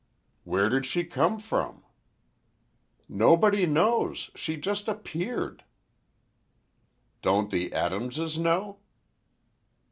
"Where did she come from?" "Nobody knows. She just appeared." "Don't the Adamses know?"